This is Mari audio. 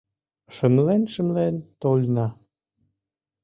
Шымлен-шымлен тольна